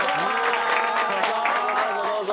どうぞどうぞ。